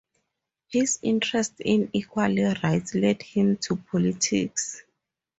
His interest in equal rights led him to politics.